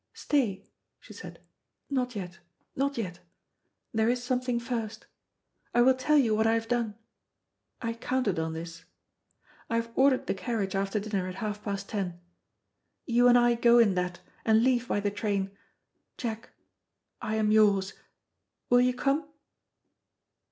"Stay," she said. "Not yet, not yet. There is something first. I will tell you what I have done. I counted on this. I have ordered the carriage after dinner at half past ten. You and I go in that, and leave by the train. Jack, I am yours will you come?"